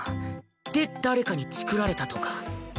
で誰かにチクられたとか。